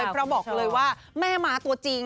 เพราะบอกเลยว่าแม่ม้าตัวจริง